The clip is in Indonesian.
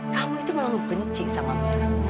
kamu itu memang benci sama mereka